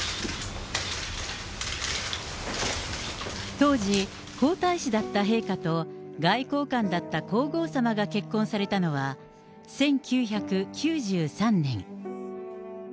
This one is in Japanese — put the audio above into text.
当時、皇太子だった陛下と、外交官だった皇后さまが結婚されたのは、１９９３年。